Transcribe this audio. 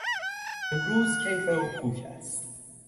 امروز کیف او کوک است.